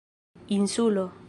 insulo